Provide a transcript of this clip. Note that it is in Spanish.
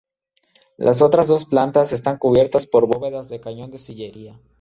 Las otras dos plantas están cubiertas por bóvedas de cañón de sillería.